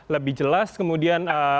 lebih jelas kemudian